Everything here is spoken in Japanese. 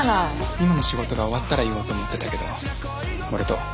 今の仕事が終わったら言おうと思ってたけど俺と。